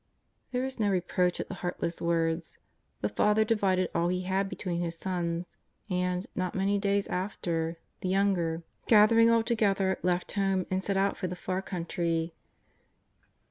There was no reproach at the heartless words; the father divided all he had be tween his sons; and, not many days after, the younger, 282 JESUS OF NAZARETH. gathering all together, left home and set out for the far country.